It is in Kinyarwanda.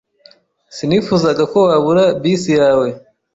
Sinifuzaga ko wabura bisi yawe.